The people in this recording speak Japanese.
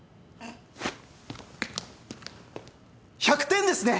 １００点ですね！